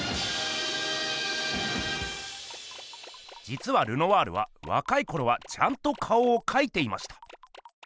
じつはルノワールはわかいころはちゃんと顔をかいていました。